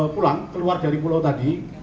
pulang keluar dari pulau tadi